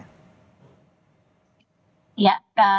ya tentu kalau soal itu kan itu perbincangannya diantara para ketua umum